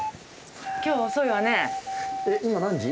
今日は遅いわね。